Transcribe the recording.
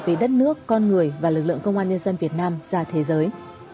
về đất nước con người và lực lượng công an nhân dân việt nam ra thế giới